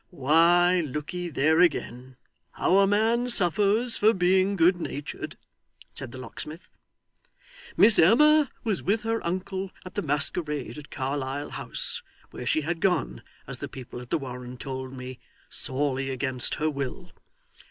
'Why, lookye there again, how a man suffers for being good natured,' said the locksmith. 'Miss Emma was with her uncle at the masquerade at Carlisle House, where she had gone, as the people at the Warren told me, sorely against her will.